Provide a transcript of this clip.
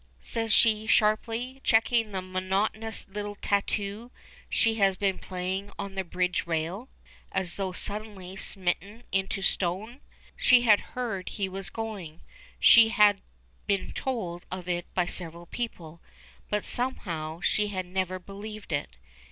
says she, sharply, checking the monotonous little tattoo she has been playing on the bridge rail, as though suddenly smitten into stone. She had heard he was going, she had been told of it by several people, but somehow she had never believed it.